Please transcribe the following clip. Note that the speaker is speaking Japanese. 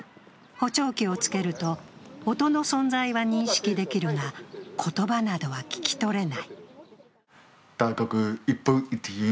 補聴器をつけると音の存在は認識できるが言葉などは聞き取れない。